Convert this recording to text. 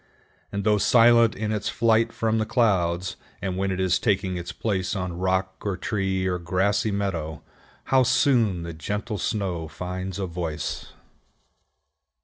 And though silent in its flight from the clouds, and when it is taking its place on rock, or tree, or grassy meadow, how soon the gentle snow finds a voice!